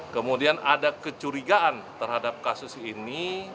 kemudian ada kecurigaan terhadap kasus ini